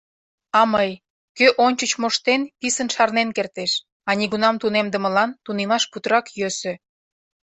А мый: кӧ ончыч моштен, писын шарнен кертеш, а нигунам тунемдымылан тунемаш путырак йӧсӧ.